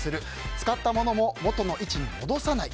使ったものも元の位置に戻さない。